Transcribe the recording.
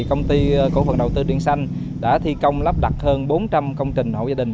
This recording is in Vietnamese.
ủng hộ phần đầu tư truyền xanh đã thi công lắp đặt hơn bốn trăm linh công trình hậu gia đình